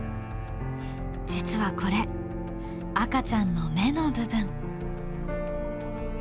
実はこれ赤ちゃんの目の部分。